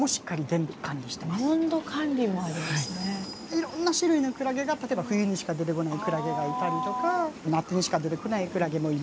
いろんな種類のクラゲが例えば冬にしか出てこないクラゲがいたりとか夏にしか出てこないクラゲもいますし。